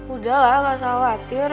udah lah masa khawatir